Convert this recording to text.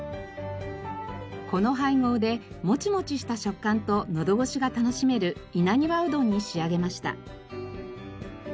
この配合でモチモチした食感とのどごしが楽しめる稲庭うどんに仕上げました。